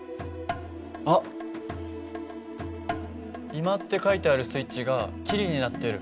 「居間」って書いてあるスイッチが「切」になってる。